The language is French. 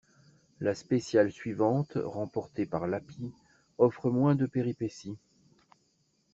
La spéciale suivante remportée par Lappi offre moins de péripéties.